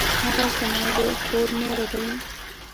هغه زما د خور میړه دی